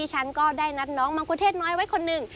ฉันก็ได้นัดน้องมังกุเทศน้อยไว้คนหนึ่ง